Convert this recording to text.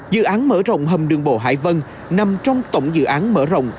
dự án mở rộng hầm đường bộ hải vân nằm trong tổng dự án mở rộng